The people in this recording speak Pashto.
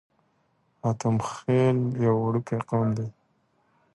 حاتم خيل يو وړوکی قوم دی.